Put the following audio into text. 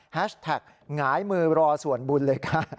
แท็กหงายมือรอส่วนบุญเลยค่ะ